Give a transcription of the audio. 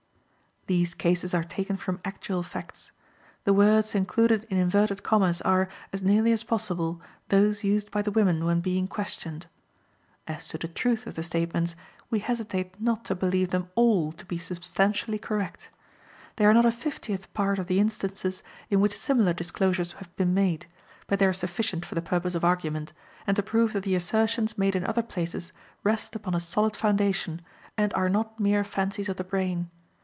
These cases are taken from actual facts. The words included in inverted commas are, as nearly as possible, those used by the women when being questioned. As to the truth of the statements, we hesitate not to believe them all to be substantially correct. They are not a fiftieth part of the instances in which similar disclosures have been made, but they are sufficient for the purpose of argument, and to prove that the assertions made in other places rest upon a solid foundation, and are not mere fancies of the brain.